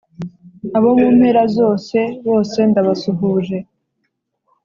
abo mumpera zosi bose ndabasuhuje